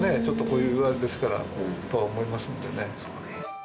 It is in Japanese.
ちょっとこういうあれですからとは思いますんでね。